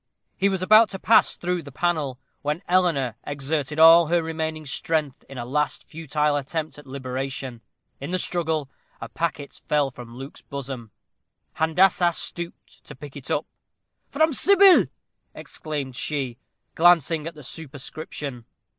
He was about to pass through the panel, when Eleanor exerted all her remaining strength in a last futile attempt at liberation. In the struggle, a packet fell from Luke's bosom. Handassah stooped to pick it up. "From Sybil!" exclaimed she, glancing at the superscription.